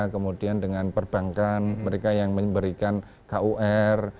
kemudian dengan perbankan mereka yang memberikan kur